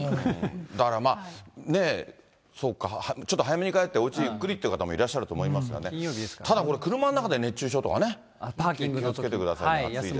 だからまあ、そうか、ちょっと早めに帰って、おうちでゆっくりっていう方もいらっしゃると思いますけど、ただこれ、車の中で熱中症とかね、気をつけてください。